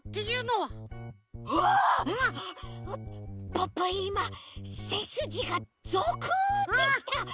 ポッポいませすじがゾクッてした。